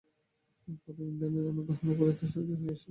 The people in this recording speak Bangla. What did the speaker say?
প্রথম, ইন্দ্রাণী অনেক গহনা পরিয়া অত্যন্ত সুসজ্জিত হইয়া আসিয়াছিল।